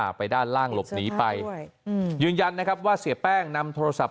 ไปด้านล่างหลบหนีไปใช่อืมยืนยันนะครับว่าเสียแป้งนำโทรศัพ